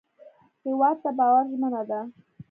هېواد د باور ژمنه ده.